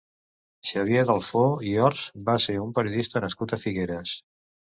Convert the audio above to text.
Xavier Dalfó i Hors va ser un periodista nascut a Figueres.